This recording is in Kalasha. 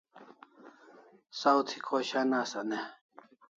Saw thi khoshan asan e?